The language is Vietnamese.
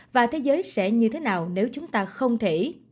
và thế giới sẽ như thế nào nếu chúng ta không thể